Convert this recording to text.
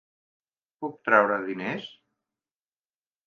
Puc treure diners?